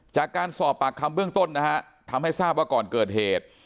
จากการสอบปากคำเบื้องต้นนะฮะทำให้ทราบว่าก่อนเกิดเหตุ